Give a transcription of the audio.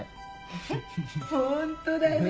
フフホントだね。